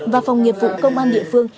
và phòng nghiệp vụ công an địa phương